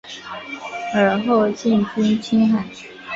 尔后进军青海。